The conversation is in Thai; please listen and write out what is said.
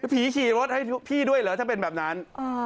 ขี่รถให้พี่ด้วยเหรอถ้าเป็นแบบนั้น